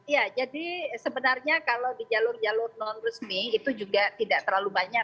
ya jadi sebenarnya kalau di jalur jalur non resmi itu juga tidak terlalu banyak